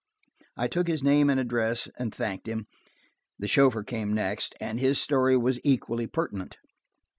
I took his name and address and thanked him The chauffeur came next, and his story was equally pertinent.